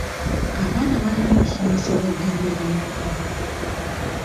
Abaana balina okusomesebwa eddembe lyabwe.